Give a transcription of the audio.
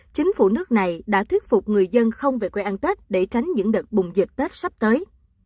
chính phủ nước này đã thuyết phục người dân không về quê ăn tết để tránh những đợt bùng dịch tết sắp tới